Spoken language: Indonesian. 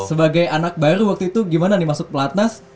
sebagai anak baru waktu itu gimana nih masuk pelatnas